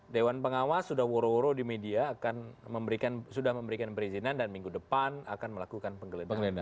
dewan pengawas sudah woro woro di media akan memberikan sudah memberikan perizinan dan minggu depan akan melakukan penggeledahan